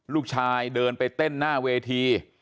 ลูกชายเดินไปเต้นหน้าเวที